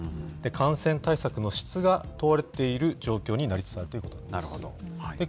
感染対策の質が問われている状況になりつつあるということなんです。